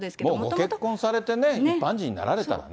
もうご結婚されて一般人になられたらね。